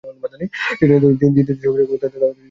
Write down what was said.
সে জানিত, দিদি যে-সকল গল্প বলিত তাহা ছাড়া পৃথিবীতে আর গল্প নাই।